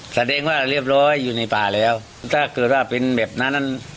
แสดงว่าเรียบร้อยอยู่ในป่าแล้วถ้าเกิดว่าเป็นแบบนั้น